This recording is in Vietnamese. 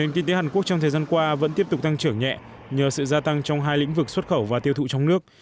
nền kinh tế hàn quốc trong thời gian qua vẫn tiếp tục tăng trưởng nhẹ nhờ sự gia tăng trong hai lĩnh vực xuất khẩu và tiêu thụ trong nước